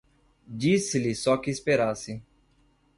Disse-lhe só que esperasse.